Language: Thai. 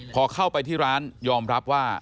พอเข้าไปที่ร้านยอมรับว่า